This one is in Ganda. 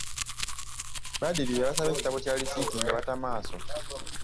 Badru yabasaba ekitabo kya lisiiti nga bata maaso.